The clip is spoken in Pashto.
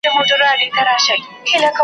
زه په دې ملنګه ورځ خسرو سمه قباد سمه .